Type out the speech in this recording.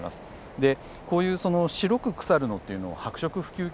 でこういう白く腐るのっていうのを白色腐朽菌。